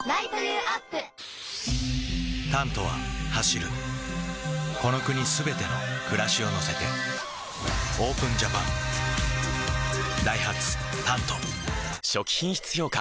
「タント」は走るこの国すべての暮らしを乗せてＯＰＥＮＪＡＰＡＮダイハツ「タント」初期品質評価